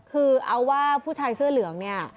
คือเอาว่าผู้ชายเสื้อเหลืองเนี่ย